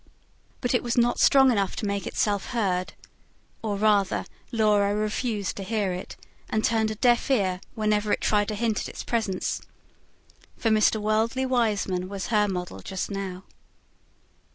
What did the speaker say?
But is was not strong enough to make itself heard, or rather Laura refused to hear it, and turned a deaf ear whenever it tried to hint at its presence. For Mr. Worldly Wiseman was her model just now.